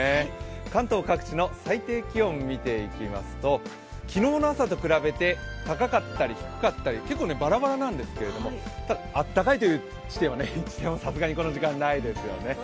関東各地の最低気温を見ていきますと昨日の朝と比べて高かったり低かったり結構ばらばらなんですけれども、あったかいという地点はさすがにこの時間はないですね。